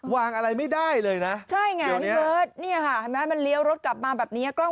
วางอะไรไม่ได้เลยนะใช่ไงเนี่ยมันเลี้ยวรถกลับมาแบบนี้กล้อง